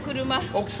「奥様」。